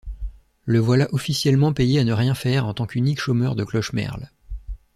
Le voilà officiellement payé à ne rien faire en tant qu'unique chômeur de Clochemerle.